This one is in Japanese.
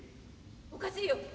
おかしいよ。